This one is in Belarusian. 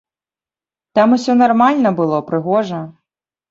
Там усё нармальна было, прыгожа.